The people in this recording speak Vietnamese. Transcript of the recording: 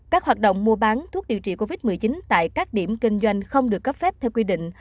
các hoạt động mua bán thuốc điều trị covid một mươi chín tại các điểm kinh doanh không được cấp phép theo quy định